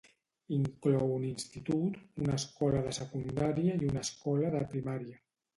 Inclou un institut, una escola de secundària i una escola de primària.